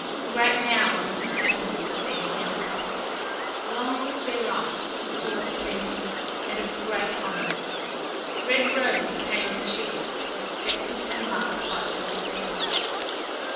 Great now was the happiness of these young people. Long was their life, full of plenty and of great honor. Red Robe became a chief, respected and loved by all the people.